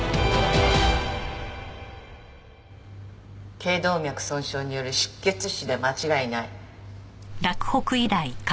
頸動脈損傷による失血死で間違いない。